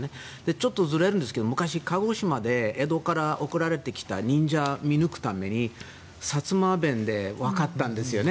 ちょっとずれるんですけど昔、鹿児島で江戸から送られてきた忍者を見抜くために薩摩弁でわかったんですよね。